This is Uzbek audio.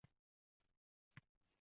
Tahdid Kun